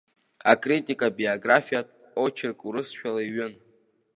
Акритика-биографиатә очерк урысшәала иҩын.